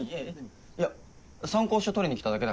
いや参考書取りに来ただけだから。